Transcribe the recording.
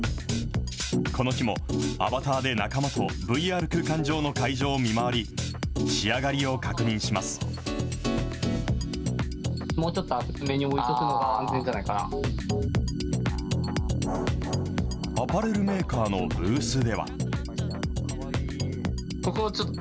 この日もアバターで仲間とＶＲ空間上の会場を見回り、仕上がりをアパレルメーカーのブースでは。